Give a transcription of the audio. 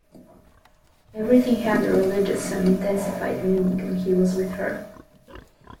Everything had a religious and intensified meaning when he was with her.